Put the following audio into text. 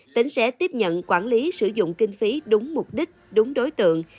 tỉnh sẽ tiếp nhận quản lý sử dụng kinh phí đúng mục đích đúng đối tượng